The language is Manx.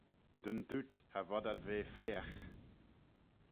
Dyn dooyt cha vod ad ve feagh.